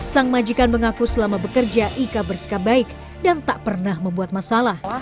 sang majikan mengaku selama bekerja ika bersikap baik dan tak pernah membuat masalah